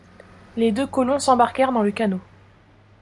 Les deux colons s’embarquèrent dans le canot